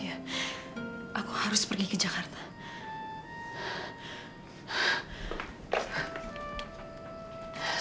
iya aku harus pergi dan memberitahukan tentang anak ini pada aditya